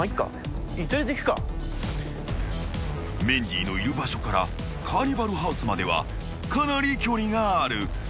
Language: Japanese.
［メンディーのいる場所からカーニバルハウスまではかなり距離がある］